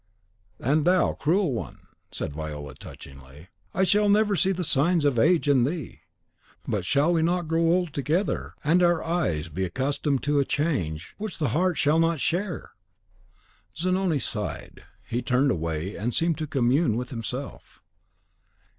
"And thou, cruel one!" said Viola, touchingly, "I shall never see the signs of age in thee! But shall we not grow old together, and our eyes be accustomed to a change which the heart shall not share!" Zanoni sighed. He turned away, and seemed to commune with himself.